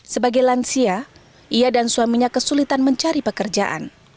sebagai lansia ia dan suaminya kesulitan mencari pekerjaan